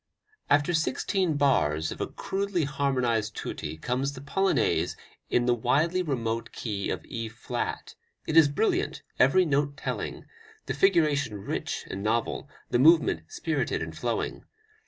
After sixteen bars of a crudely harmonized tutti comes the Polonaise in the widely remote key of E flat; it is brilliant, every note telling, the figuration rich and novel, the movement spirited and flowing.